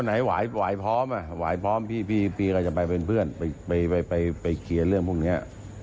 เอาอย่างนี้วันไหนหวายพร้อมหวายพร้อมพี่ก็จะไปเป็นเพื่อนไปเคลียร์เรื่องพวกนี้